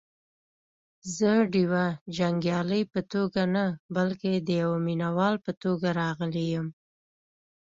زه دیوه جنګیالي په توګه نه بلکې دیوه مینه وال په توګه راغلی یم.